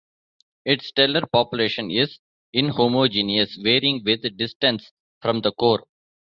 Its stellar population is inhomogeneous, varying with distance from the core.